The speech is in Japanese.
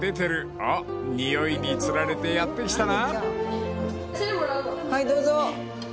［おっ匂いにつられてやって来たな］